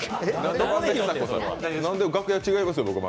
楽屋違いますよ。